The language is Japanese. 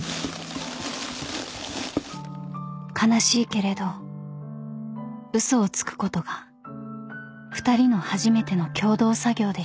［悲しいけれど嘘をつくことが２人の初めての共同作業でした］